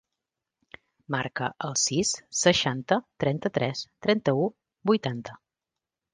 Marca el sis, seixanta, trenta-tres, trenta-u, vuitanta.